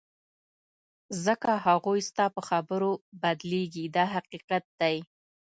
ځکه هغوی ستا په خبرو بدلیږي دا حقیقت دی.